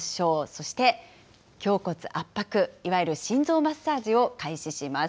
そして、胸骨圧迫、いわゆる心臓マッサージを開始します。